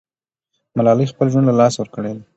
ملالۍ خپل ژوند له لاسه ورکړی دی.